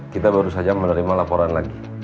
kita baru saja menerima laporan lagi